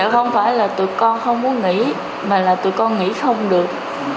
không phải là tụi con không muốn nghỉ mà là tụi con nghĩ không được